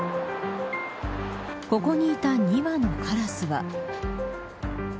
ここにいた２羽のカラスは。